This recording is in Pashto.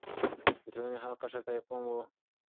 د ټولنې هر قشر ته يې پام و.